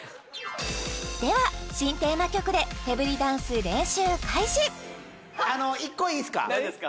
では新テーマ曲で手振りダンス練習開始何ですか？